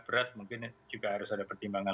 beras mungkin juga harus ada pertimbangan